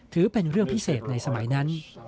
ถือเป็นเรื่องพิเศษในสมัยนั้น